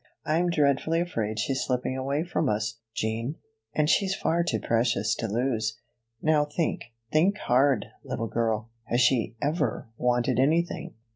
I'm dreadfully afraid she's slipping away from us, Jean; and she's far too precious to lose. Now think think hard, little girl. Has she ever wanted anything?"